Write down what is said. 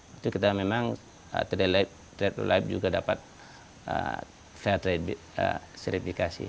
itu kita memang trail of life juga dapat fair trade serifikasi